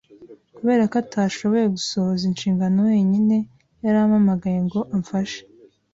Kubera ko atashoboye gusohoza inshingano wenyine, yarampamagaye ngo amfashe.